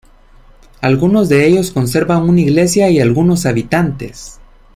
Algunos de ellos conservan una iglesia y algunos habitantes.